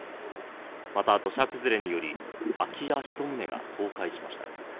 また土砂崩れにより、空き家１棟が倒壊しました。